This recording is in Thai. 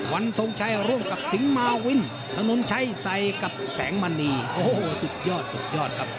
วันทรงชัยร่วมกับสิงหมาวินถนนชัยใส่กับแสงมณีโอ้โหสุดยอดสุดยอดครับ